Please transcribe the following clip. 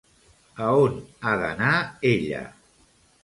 A on ha d'anar ella?